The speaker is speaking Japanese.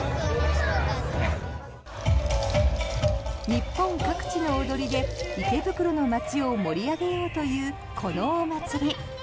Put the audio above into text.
日本各地の踊りで池袋の街を盛り上げようというこのお祭り。